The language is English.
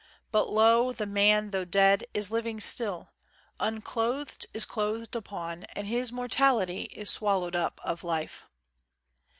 But, lo! the man, though dead, is living still; Unclothed, is clothed upon, and his Mortality Is swallowed up of Life.